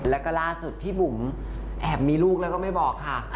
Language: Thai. แล้วก็ล่าสุดพี่บุ๋มแอบมีลูกแล้วก็ไม่บอกค่ะ